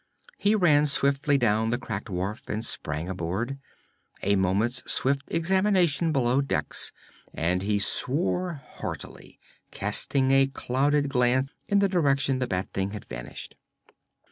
He ran swiftly down the cracked wharf and sprang aboard. A moment's swift examination below decks, and he swore heartily, casting a clouded glance in the direction the bat being had vanished.